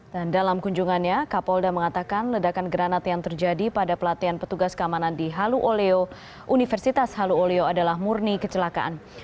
dan dalam kunjungannya kapolda mengatakan ledakan granat yang terjadi pada pelatihan petugas keamanan di haluoleo universitas haluoleo adalah murni kecelakaan